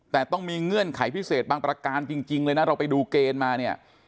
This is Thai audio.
แต่ต้องมีเงื่อนไขพิเศษบางประการจริงเลยนะเราไปดูเกณฑ์มาเนี่ย